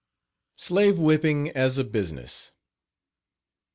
SLAVE WHIPPING AS A BUSINESS.